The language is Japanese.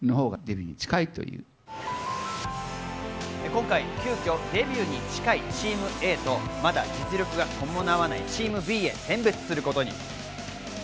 今回、急きょデビューに近いＴｅａｍＡとまだ実力が伴わないＴｅａｍＢへ選別することに。